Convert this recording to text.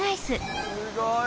すごい。